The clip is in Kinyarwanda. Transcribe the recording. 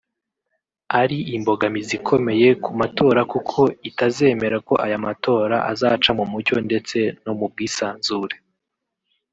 ari imbogamizi ikomeye ku matora kuko itazemera ko aya matora azaca mu mucyo ndetse no mu bwisanzure